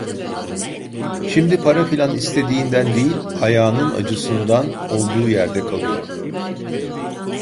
Şimdi para filan istediğinden değil, ayağının acısından olduğu yerde kalıyordu.